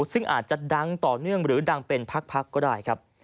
ซึ่งอาจจะดังต่อเนื่องหรือดังเป็นพักก็ได้ครับ